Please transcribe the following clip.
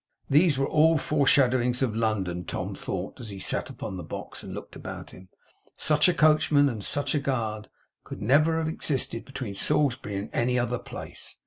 These were all foreshadowings of London, Tom thought, as he sat upon the box, and looked about him. Such a coachman, and such a guard, never could have existed between Salisbury and any other place.